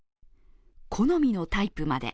好みのタイプまで。